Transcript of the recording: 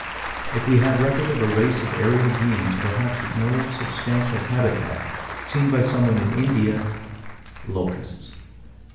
If we have record of a race of aerial beings, perhaps with no substantial habitat, seen by someone in India "locusts."